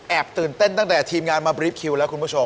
ตื่นเต้นตั้งแต่ทีมงานมาบรีฟคิวแล้วคุณผู้ชม